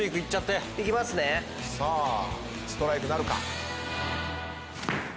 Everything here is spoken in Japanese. さあストライクなるか？